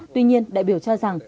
tuy nhiên đại biểu cho rằng